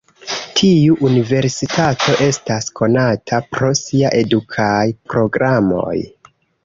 Tiu universitato estas konata pro sia edukaj programoj.